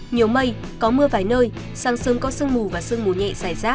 nhiều mây có mưa vài nơi sáng sớm có sương mù và sương mù nhẹ dài rác